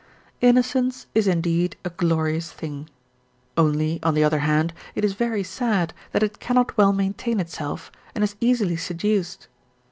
Innocence is indeed a glorious thing; only, on the other hand, it is very sad that it cannot well maintain itself and is easily seduced.